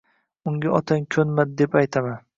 Unga otang ko`nmadi, deb aytaman